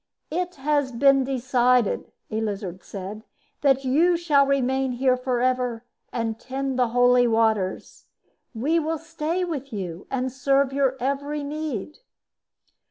"It has been decided," a lizard said, "that you shall remain here forever and tend the Holy Waters. We will stay with you and serve your every need."